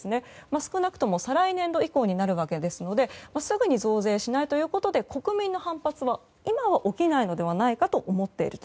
少なくとも再来年度以降になるわけですのですぐに増税しないということで国民の反発は今は起きないのではないかと思っていると。